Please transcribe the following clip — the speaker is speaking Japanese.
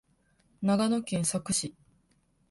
長野県佐久市